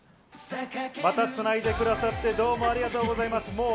また繋げてくださってどうもありがとうございます。